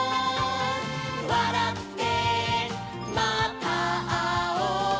「わらってまたあおう」